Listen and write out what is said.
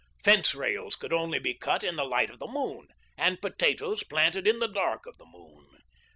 Fence rails could only be cut in the light of the moon, and potatoes planted in the dark of the moon.